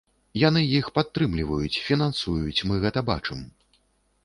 Яны іх падтрымліваюць, фінансуюць, мы гэта бачым.